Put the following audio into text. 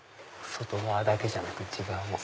外側だけじゃなく内側も。